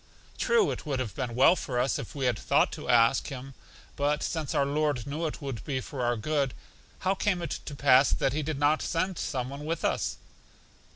True, it would have been well for us if we had thought to ask Him; but since our Lord knew it would be for our good, how came it to pass that He did not send some one with us?